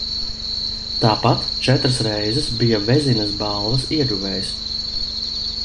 Tāpat četras reizes bija Vezinas balvas ieguvējs.